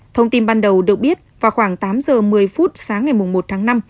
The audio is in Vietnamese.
thông tin ban đầu được biết vào khoảng tám giờ một mươi phút sáng ngày một tháng năm